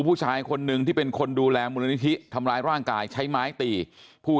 ผู้ชายคนหนึ่งที่เป็นคนดูแลมูลนิธิทำร้ายร่างกายใช้ไม้ตีผู้